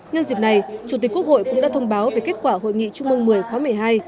nhân dịp này chủ tịch quốc hội cũng đã thông báo về kết quả hội nghị trung mông một mươi khóa một mươi hai